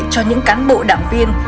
cho những cán bộ đảng viên